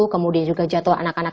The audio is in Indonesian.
kemudian juga jadwal anak anak